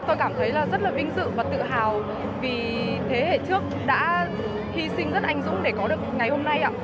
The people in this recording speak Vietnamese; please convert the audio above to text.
tôi cảm thấy rất là vinh dự và tự hào vì thế hệ trước đã hy sinh rất anh dũng để có được ngày hôm nay